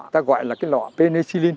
ta gọi là cái lọ penicillin